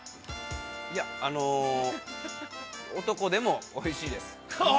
◆いや、あの、男でもおいしいです。